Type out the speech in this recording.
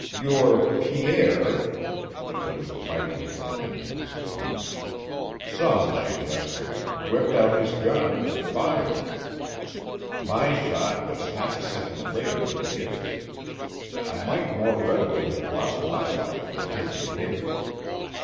Your Pierre" there was a biting contempt in his tone "saw my gesture, whipped out his gun, and fired. My shot was half a second later than his. I might more readily have lost my life than taken his.